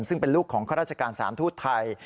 ซึ่งเป็นลูกของข้าราชการสารทูตไทย